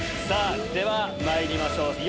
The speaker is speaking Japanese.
さぁではまいりましょう。